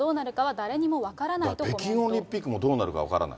だから北京オリンピックもどうなるか分からない。